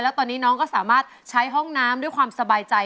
แล้วตอนนี้น้องก็สามารถใช้ห้องน้ำด้วยความสบายใจ